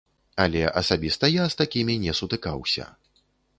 Але асабіста я з такімі не сутыкаўся.